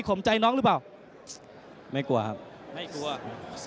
ท่านจอมดีเดือดเลยนะครับรายนี้